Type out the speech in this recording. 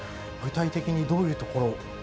具体的にどういうところを。